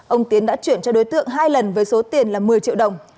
ông tiến đã chuyển cho đối tượng hai lần với số tiền là một mươi triệu đồng